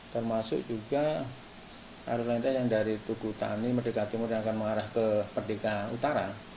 termasuk juga harus lintas yang dari tugu tani merdeka timur yang akan mengarah ke perdika utara